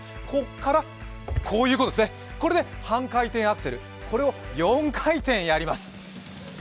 こっから、こういうことですね、これで半回転アクセル、これを４回転やります。